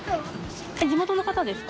地元の方ですか？